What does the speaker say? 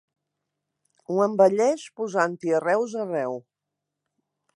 Ho embelleix posant-hi arreus arreu.